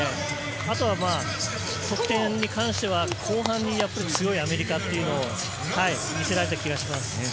あと得点に関しては後半に強いアメリカというのを見せられた気がします。